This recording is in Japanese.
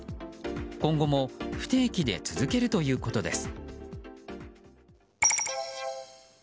今後も不定期で続けるということです。